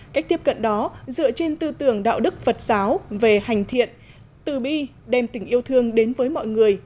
cách tiếp cận đó dựa trên tư tưởng đạo đức phật giáo về hành thiện tư bi đem tình yêu thương đến với mọi người